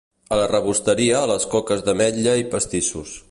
A la rebosteria les coques d'ametlla i pastissos.